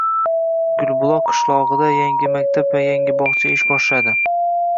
Gulbuloq qishlog‘ida yangi maktab va yangi bog‘cha ish boshladi